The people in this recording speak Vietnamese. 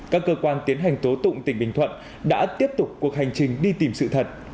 các cơ quan tiến hành tố tụng tỉnh bình thuận đã tiếp tục cuộc hành trình đi tìm sự thật